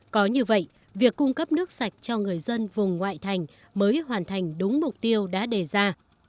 có như vậy việc cung cấp nước sạch cho người dân vùng ngoại thành mới hoàn thành đúng mục tiêu đã đề ra